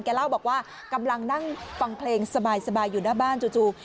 เล่าบอกว่ากำลังนั่งฟังเพลงสบายอยู่หน้าบ้านจู่